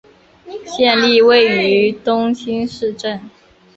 县莅位于东兴市镇。